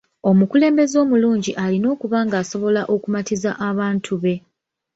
Omukulembeze omulungi alina okuba ng'asobola okumatiza abantu be.